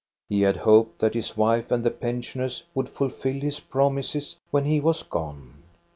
He had hoped that his wife and the pensioners would fulfil his promises when he was gone.